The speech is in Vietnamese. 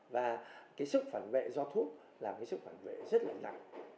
và cái sốc phản vệ do thuốc là cái sốc phản vệ rất là nặng